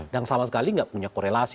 dan sama sekali gak punya korelasi